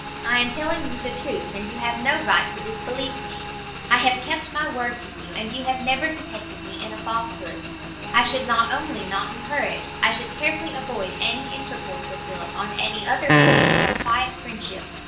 I am telling you the truth, and you have no right to disbelieve me; I have kept my word to you, and you have never detected me in a falsehood. I should not only not encourage, I should carefully avoid, any intercourse with Philip on any other footing than of quiet friendship.